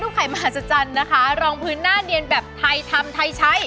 รูปไขมหาสัจจันนะคะรองพื้นหน้าเนียนแบบไทยทำไทยใช้